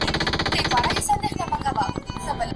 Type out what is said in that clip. ماهر له ډېر وخته ساعت ته کتلي دي.